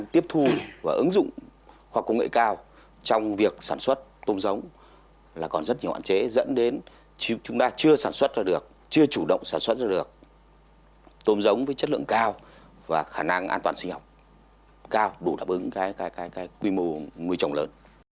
tiếp thu và ứng dụng khoa công nghệ cao trong việc sản xuất tôm giống là còn rất nhiều hạn chế dẫn đến chúng ta chưa sản xuất ra được chưa chủ động sản xuất ra được tôm giống với chất lượng cao và khả năng an toàn sinh học cao đủ đáp ứng cái quy mô nuôi trồng lớn